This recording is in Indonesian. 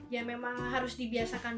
ya memang harus dibiasakan